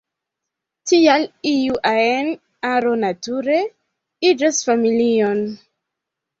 Tial iu ajn aro nature iĝas familion.